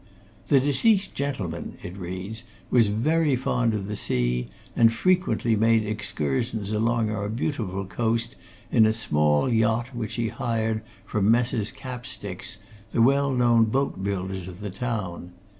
'The deceased gentleman,' it reads, 'was very fond of the sea, and frequently made excursions along our beautiful coast in a small yacht which he hired from Messrs. Capsticks, the well known boat builders of the town.